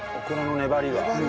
粘りが。